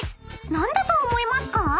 ［何だと思いますか？］